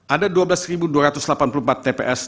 ada dua belas dua ratus delapan puluh empat tps